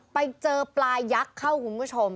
ไปเจอปลายักษ์เข้าคุณผู้ชม